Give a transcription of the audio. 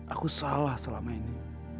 aku salah selama ini